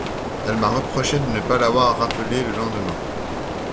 Elle m'a reproché de ne pas l'avoir rappelée le lendemain.